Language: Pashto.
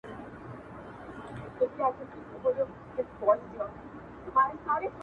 د یوه عادي بست لپاره هم په رقابت کې